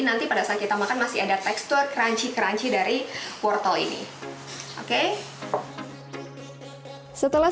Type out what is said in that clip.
nanti pada saat kita makan masih ada tekstur crunchy crunchy dari wortel ini oke setelah